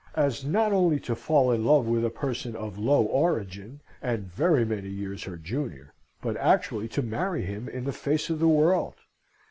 as not only to fall in love with a person of low origin, and very many years her junior, but actually to marry him in the face of the world?